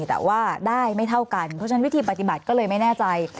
แต่ว่าได้ไม่เท่ากันเพราะฉะนั้นวิธีปฏิบัติก็เลยไม่แน่ใจ